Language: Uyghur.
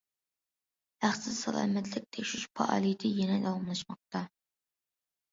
ھەقسىز سالامەتلىك تەكشۈرۈش پائالىيىتى يەنە داۋاملاشماقتا.